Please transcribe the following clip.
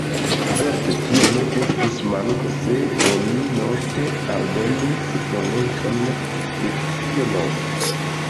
Certe, tio ne estus manko, se oni note aldonus prononcon de ĉiu nomo.